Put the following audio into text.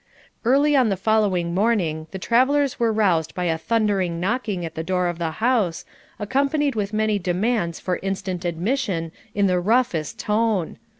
Early on the following morning the travellers were roused by a thundering knocking at the door of the house, accompanied with many demands for instant admission in the roughest tone.